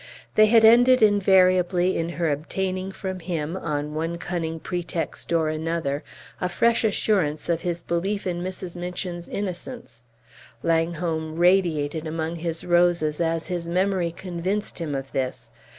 They had ended invariably in her obtaining from him, on one cunning pretext or another, a fresh assurance of his belief in Mrs. Minchin's innocence. Langholm radiated among his roses as his memory convinced him of this.